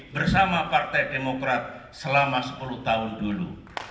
bersama partai demokrat selama sepuluh tahun dulu